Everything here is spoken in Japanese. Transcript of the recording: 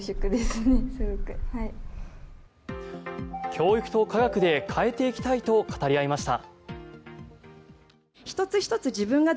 教育と化学で変えていきたいと語り合いました。